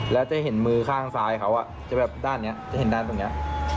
แล้วจะเห็นมือข้างซ้ายเขาจะแบบด้านนี้จะเห็นด้านตรงนี้